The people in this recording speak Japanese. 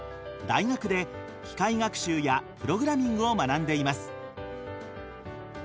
大学で機械学習やプログラミングを学んでいます。